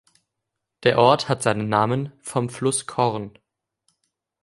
Der Ort hat seinen Namen vom Fluss Korn.